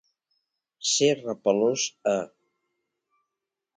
Ser repelós a.